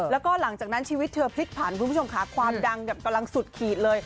แล้วก็หลังจากนั้นชีวิตเธอพลิกผันคุณผู้ชมค่ะความดังกำลังสุดขีดเลย